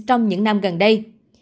trong những năm gần đây